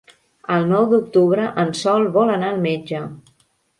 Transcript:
El nou d'octubre en Sol vol anar al metge.